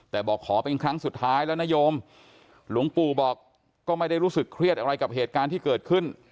แต่บอกขอเป็นครั้งสุดท้ายแล้วนโยมหลวงปู่บอกก็ไม่ได้รู้สึกเครียดอะไรกับเหตุการณ์ที่เกิดขึ้น